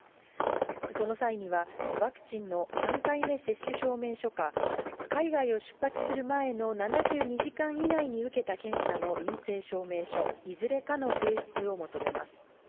その際には、ワクチンの３回目接種証明書か、海外を出発する前の７２時間以内に受けた検査の陰性証明書、いずれかの提出を求めます。